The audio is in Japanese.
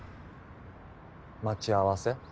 待ち合わせ？